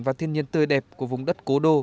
và thiên nhiên tươi đẹp của vùng đất cố đô